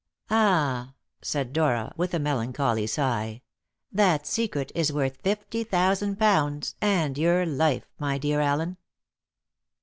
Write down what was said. "Ah!" said Dora with a melancholy sigh. "That secret is worth fifty thousand pounds and your life, my dear Allen."